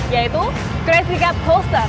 yaitu crazy cat coaster